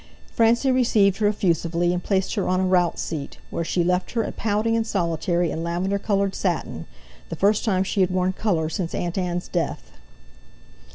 Francie received her effusively, and placed her on a rout seat, where she left her, pouting and solitary in lavender coloured satin—the first time she had worn colour since Aunt Ann's death.